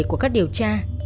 của các điều tra